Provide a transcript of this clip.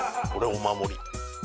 お守り？